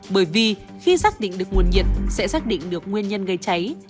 bởi vì khi xác định được nguồn nhiệt sẽ xác định được nguyên nhân gây cháy